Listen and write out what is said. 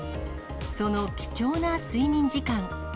その貴重な睡眠時間。